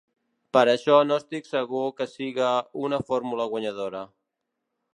Per això no estic segur que siga una fórmula guanyadora.